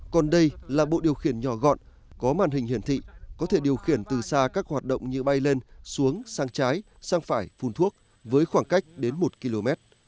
còn đây là bộ điều khiển nhỏ gọn có màn hình hiển thị có thể điều khiển từ xa các hoạt động như bay lên xuống sang trái sang phải phun thuốc với khoảng cách đến một km